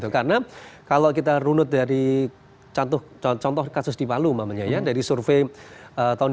karena kalau kita runut dari contoh kasus di palu namanya ya dari survei tahun dua ribu dua belas